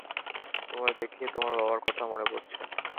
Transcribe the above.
তোমায় দেখে তোমার বাবার কথা মনে পড়ছে।